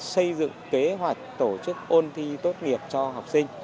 xây dựng kế hoạch tổ chức ôn thi tốt nghiệp cho học sinh